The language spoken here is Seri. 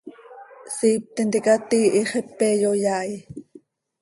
Siip tintica tiihi, xepe iyoyaai.